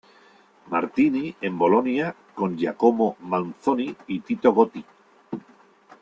Martini en Bolonia con Giacomo Manzoni y Tito Gotti.